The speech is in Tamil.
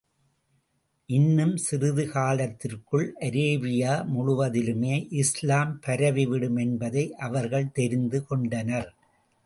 இன்னும் சிறிது காலத்திற்குள், அரேபியா முழுவதிலுமே இஸ்லாம் பரவி விடும் என்பதை அவர்கள் தெரிந்து கொண்டனர்.